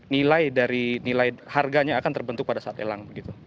nilai dari nilai harganya akan terbentuk pada saat elang